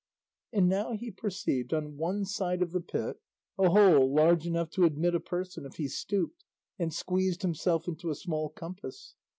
And now he perceived on one side of the pit a hole large enough to admit a person if he stooped and squeezed himself into a small compass.